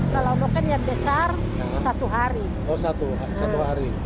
kalau noken yang besar satu hari